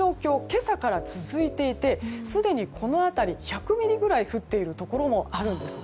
今朝から続いていてすでに１００ミリぐらい降っているところもあるんです。